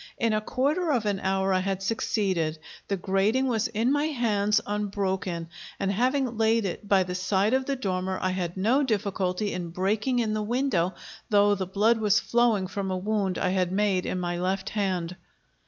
In a quarter of an hour I had succeeded; the grating was in my hands unbroken, and having laid it by the side of the dormer I had no difficulty in breaking in the window, though the blood was flowing from a wound I had made in my left hand.